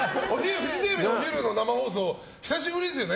フジテレビのお昼の生放送久しぶりですよね？